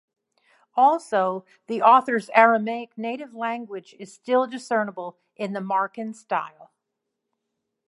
Also, the author's Aramaic native language is still discernible in the Marcan style.